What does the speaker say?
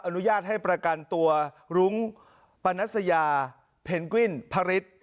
อนุญาตให้ประกันตัวรุ้งปนัสยาเพนกวินพระฤทธิ์